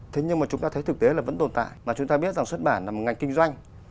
thế nhưng mà chúng ta thấy thực tế là vẫn tồn tại mà chúng ta biết rằng xuất bản là một ngành kinh doanh